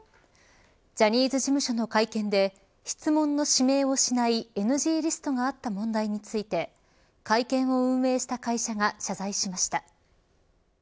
ジャニーズ事務所の会見で質問の指名をしないＮＧリストがあった問題について会見を運営した会社が謝罪しました。